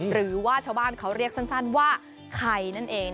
หรือว่าชาวบ้านเขาเรียกสั้นว่าไข่นั่นเอง